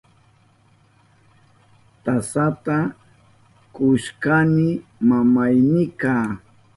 Tasata kushkani mamaynita.